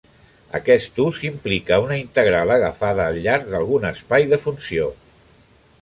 Aquest ús implica una integral agafada al llarg d'algun espai de funció.